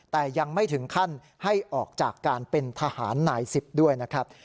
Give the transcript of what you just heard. แต่ยังไม่ถึงขั้นให้ออกจากการเป็นทหารนาย๑๐ด้วยนะครับ